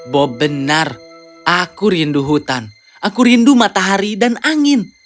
bob benar aku rindu hutan aku rindu matahari dan angin